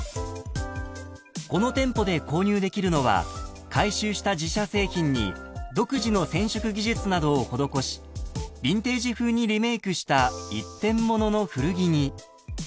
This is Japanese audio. ［この店舗で購入できるのは回収した自社製品に独自の染色技術などを施しビンテージ風にリメークした一点物の古着に］